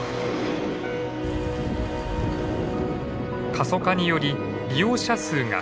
過疎化により利用者数が減少。